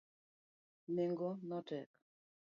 Nengo no tek.